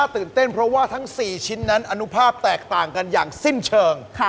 ทั้ง๔ชิ้นนั้นอนุภาพแตกต่างกันอย่างสิ้นเชิง